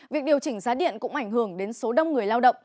việc điều chỉnh giá điện cũng ảnh hưởng đến số đông người lao động